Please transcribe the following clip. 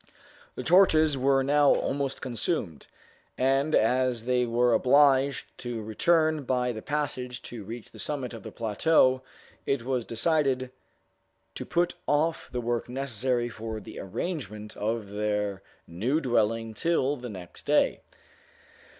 The torches were now almost consumed, and as they were obliged to return by the passage to reach the summit of the plateau, it was decided to put off the work necessary for the arrangement of their new dwelling till the next day.